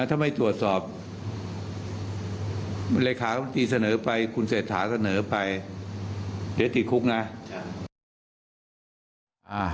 ถ้าไม่ตรวจสอบเลขาความจริงเสนอไปคุณเสถาเสนอไปเดี๋ยวติดคุกนะ